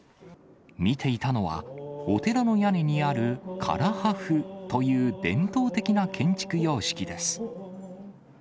見ていたのは、お寺の屋根にある、唐破風という、伝統的な建築様式です。